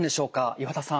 岩田さん。